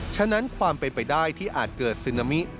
ฉะนั้นความเป็นไปได้ที่อาจเกิดซึนามิ